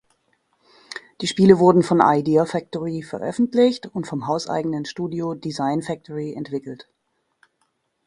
Die Spiele wurden von Idea Factory veröffentlicht und vom hauseigenen Studio Design Factory entwickelt.